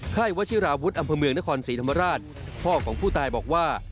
วัชิราวุฒิอำเภอเมืองนครศรีธรรมราชพ่อของผู้ตายบอกว่า